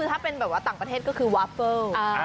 ถ้าเป็นต่างประเทศก็คือวาเฟิล